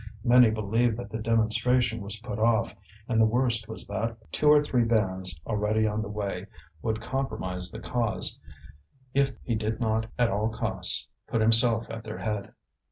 Many believed that the demonstration was put off, and the worst was that two or three bands, already on the way, would compromise the cause if he did not at all costs put himself at their head.